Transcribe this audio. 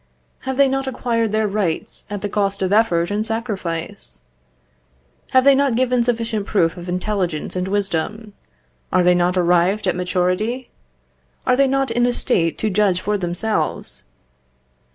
Have they not acquired their rights at the cost of effort and sacrifice? Have they not given sufficient proof of intelligence and wisdom? Are they not arrived at maturity? Are they not in a state to judge for themselves?